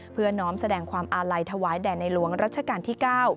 น้อมแสดงความอาลัยถวายแด่ในหลวงรัชกาลที่๙